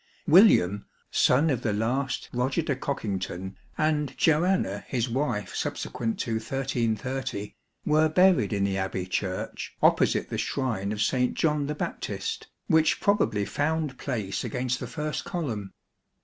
William, son of the last Eoger de Cockington and Johanna his wife subsequent to 1330, were buried in the Abbey Church opposite the shrine of S. John the Baptist, which probably found place against the first column.